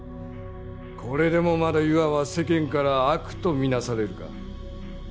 これでもまだ優愛は世間から悪とみなされるか？